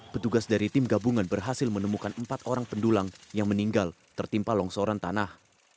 petugas dari tim gabungan berhasil menemukan empat orang pendulang yang meninggal tertimpa longsoran tanah